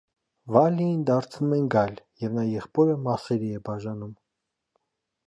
Վալիին դարձնում են գայլ, և նա եղբորը մասերի է բաժանում։